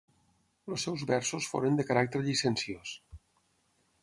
Els seus versos foren de caràcter llicenciós.